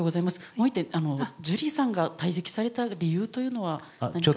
もう１点、ジュリーさんが退席された理由というのは何か。